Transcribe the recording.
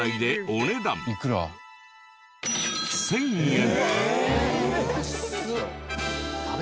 １０００円。